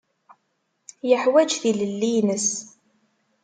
Yeḥwaǧ tilelli-nnes.